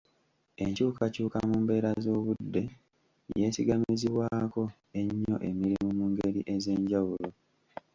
Enkyukakyuka mu mbeera z'obudde yeesigamizibwako nnyo emirimu mu ngeri ez'enjawulo.